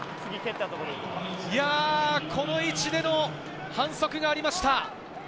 この位置での反則がありました。